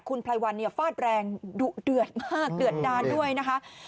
คุณพลายวัลฟาดแรงเดือดมากเดือดดานด้วยนะครับ